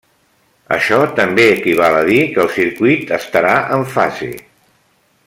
Això també equival a dir, que el circuit estarà en fase.